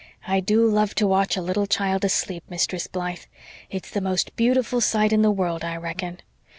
"I do love to watch a little child asleep, Mistress Blythe. It's the most beautiful sight in the world, I reckon.